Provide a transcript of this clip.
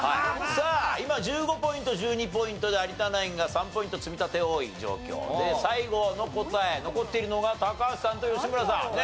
さあ今１５ポイント１２ポイントで有田ナインが３ポイント積み立て多い状況で最後の答え残っているのが高橋さんと吉村さん。